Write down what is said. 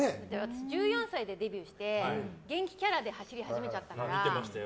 １４歳でデビューして元気キャラで走り始めちゃったから。